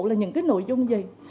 là những cái nội dung gì